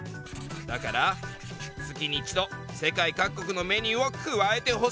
「だから月に一度世界各国のメニューを加えて欲しい」。